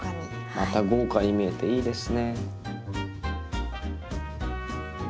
また豪華に見えていいですね。